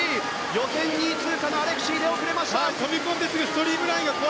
予選２位通過のアレクシーが出遅れました。